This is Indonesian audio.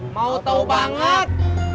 mau tau banget